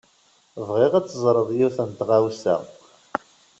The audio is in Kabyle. Bɣiɣ ad teẓred yiwet n tɣawsa.